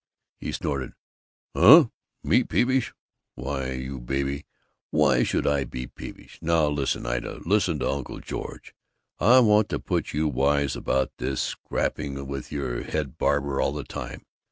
He snorted, "Huh? Me peevish? Why, you baby, why should I be peevish? Now, listen, Ida; listen to Uncle George. I want to put you wise about this scrapping with your head barber all the time.